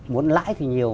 muốn lãi thì nhiều